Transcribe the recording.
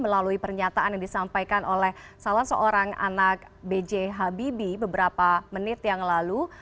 melalui pernyataan yang disampaikan oleh salah seorang anak b j habibie beberapa menit yang lalu